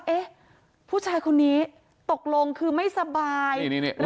เอ๊ะผู้ชายคนนี้ตกลงคือไม่สบาย